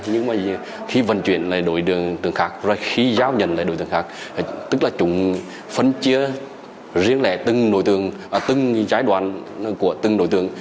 nhưng mà khi vận chuyển lại đổi đường khác rồi khi giao nhận lại đối tượng khác tức là chúng phân chia riêng lại từng giai đoạn của từng đối tượng